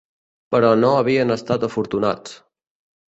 Però no havien estat afortunats.